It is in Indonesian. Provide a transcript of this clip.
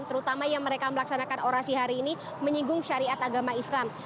terutama yang mereka melaksanakan orasi hari ini menyinggung syariat agama islam